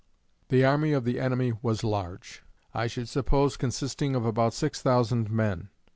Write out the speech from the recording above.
The army of the enemy was large, I should suppose consisting of about six thousand men.